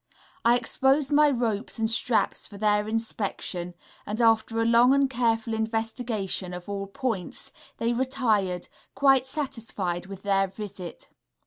I exposed my ropes and straps for their inspection, and, after a long and careful investigation of all points, they retired, quite satisfied with their visit.